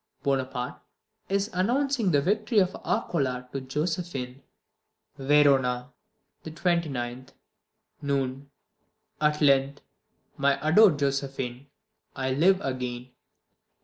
Bonaparte is announcing the victory of Arcola to Josephine. VERONA, the 29th, noon. At length, my adored Josephine, I live again.